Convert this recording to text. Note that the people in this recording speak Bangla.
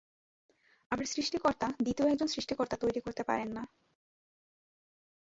আবার সৃস্টিকর্তা দ্বিতীয় একজন সৃষ্টিকর্তা তৈরি করতে পারেন না।